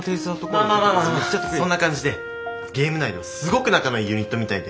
まあまあそんな感じでゲーム内ではすごく仲のいいユニットみたいで。